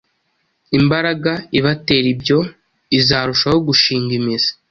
imbaraga ibatera ibyo izarushaho gushinga imizi.